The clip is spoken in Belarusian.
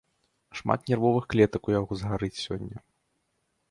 Шмат нервовых клетак у яго згарыць сёння.